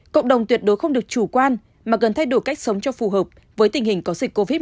cộng đồng tuyệt đối không được chủ quan mà cần thay đổi cách sống cho phù hợp với tình hình có dịch covid một mươi chín